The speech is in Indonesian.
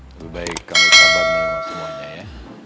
lebih baik kamu sabar dengan semuanya ya